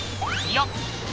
よっ！